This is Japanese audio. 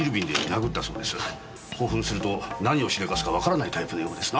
興奮すると何をしでかすかわからないタイプのようですな。